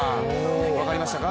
分かりましたか？